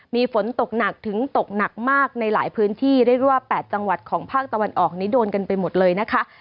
มีฝนตกหนักถึงตกหนักมากในหลายพื้นที่เรียกได้ว่า๘จังหวัดของภาคตะวันออกนี้โดนกันไปหมดเลยนะคะ